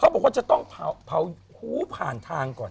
บอกว่าจะต้องเผาหูผ่านทางก่อน